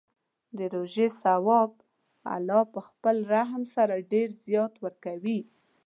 د روژې ثواب الله په خپل رحم سره ډېر زیات ورکوي.